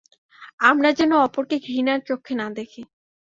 আমরা যেন অপরকে ঘৃণার চক্ষে না দেখি।